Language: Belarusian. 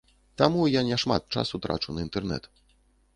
Таму, я не шмат часу трачу на інтэрнэт.